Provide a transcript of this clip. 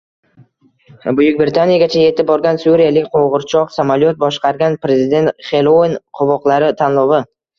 Buyuk Britaniyagacha yetib borgan suriyalik qo‘g‘irchoq, samolyot boshqargan prezident, Xellouin qovoqlari tanlovi